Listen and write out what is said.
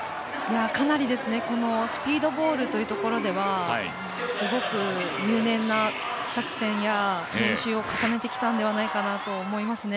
かなり、スピードボールというところではすごく入念な作戦や練習を重ねてきたんではないかなと思いますね。